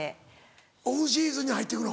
オフシーズンに入ってくの？